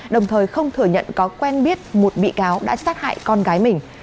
đồng thời không thừa nhận có quen biết một bị cáo đã sát hại con gái mình